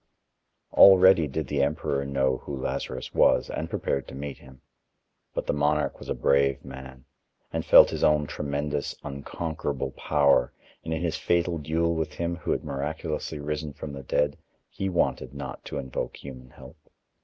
Already did the emperor know who Lazarus was, and prepared to meet him. But the monarch was a brave man, and felt his own tremendous, unconquerable power, and in his fatal duel with him who had miraculously risen from the dead he wanted not to invoke human help.